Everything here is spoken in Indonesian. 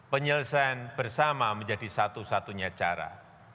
penyelesaian bersama menjadi satu satunya cara